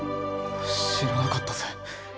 知らなかったぜ。